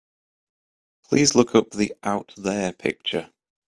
Please look up the Out There picture.